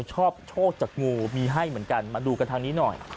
ชอบโชคจากงูมีให้เหมือนกันมาดูกันทางนี้หน่อย